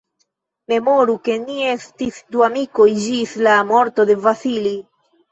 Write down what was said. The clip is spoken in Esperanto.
Memoru, ke ni estis du amikoj ĝis la morto de Vasili.